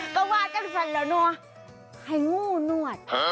ก็ว่าจังสันเหรอเนอะไหงู้นวด